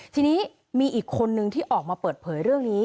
ทีนี้มีอีกคนนึงที่ออกมาเปิดเผยเรื่องนี้